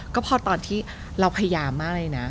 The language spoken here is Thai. ก็พอตอนที่เราพยายามมากเลยนะ